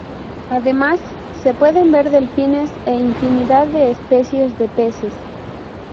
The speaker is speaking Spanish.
Además, se pueden ver delfines e infinidad de especies de peces.